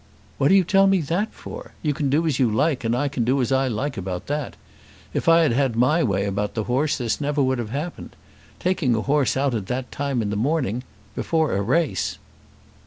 "What do you tell me that for? You can do as you like and I can do as I like about that. If I had had my way about the horse this never would have happened. Taking a horse out at that time in the morning, before a race!"